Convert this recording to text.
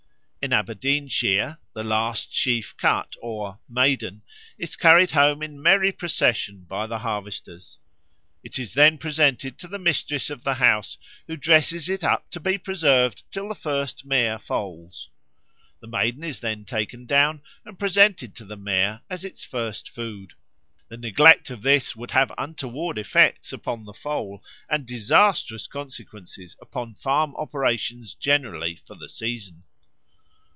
In Aberdeenshire "the last sheaf cut, or 'Maiden,' is carried home in merry procession by the harvesters. It is then presented to the mistress of the house, who dresses it up to be preserved till the first mare foals. The Maiden is then taken down and presented to the mare as its first food. The neglect of this would have untoward effects upon the foal, and disastrous consequences upon farm operations generally for the season."